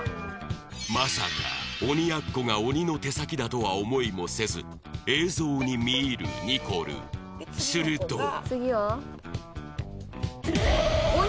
まさか鬼奴が鬼の手先だとは思いもせず映像に見入るニコルすると鬼？